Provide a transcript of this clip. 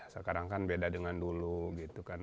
sekarang kan beda dengan dulu gitu kan